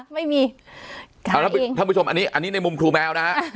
ไม่มีท่านผู้ชมอันนี้อันนี้ในมุมครูแมวนะฮะ